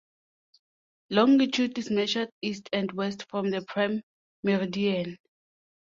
Longitude is measured east and west from the Prime Meridian.